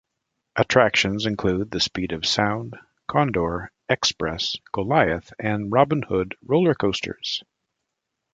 Attractions include the Speed of Sound, Condor, Xpress, Goliath and Robin Hood roller coasters.